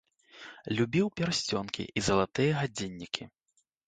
Любіў пярсцёнкі і залатыя гадзіннікі.